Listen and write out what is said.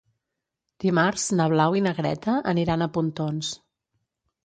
Dimarts na Blau i na Greta aniran a Pontons.